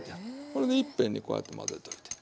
これでいっぺんにこうやって混ぜといて。